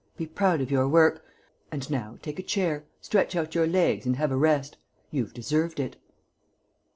Be proud of your work. And now take a chair, stretch out your legs and have a rest. You've deserved it."